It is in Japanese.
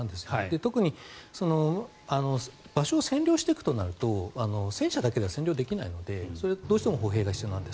特に場所を占領していくとなると戦車だけでは占領できないのでどうしても歩兵が必要なんです。